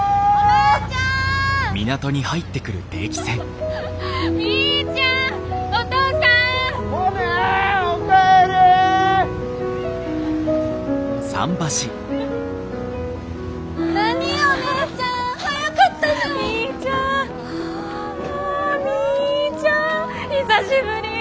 あみーちゃん久しぶり！